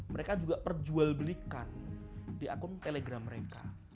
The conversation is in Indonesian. mereka juga perjualbelikan di akun telegram mereka